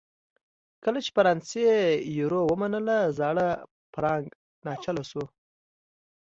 کله چې فرانسې یورو ومنله زاړه فرانک ناچله شول.